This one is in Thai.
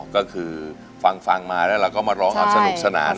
ก็คือฟังมาแล้วเราก็มาร้องเอาสนุกสนาน